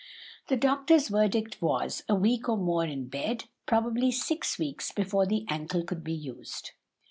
The doctor's verdict was, a week or more in bed, probably six weeks before the ankle could be used.